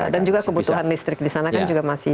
juga kebutuhan listrik di sana kan juga masih